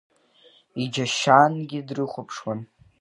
Иџьашьангьы дрыхәаԥшуан.